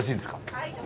はい。